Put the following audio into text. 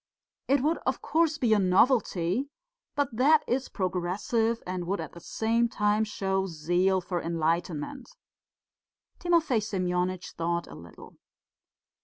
It would, of course, be a novelty, but that is progressive and would at the same time show zeal for enlightenment." Timofey Semyonitch thought a little.